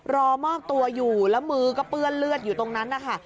รอมอบตัวอยู่แล้วมือก็เปื้อนเลือดอยู่ตรงนั้นนะคะ